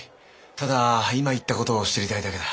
ただ今言ったことを知りたいだけだ。